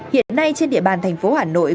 hiện nay trên địa bàn thành phố hà nội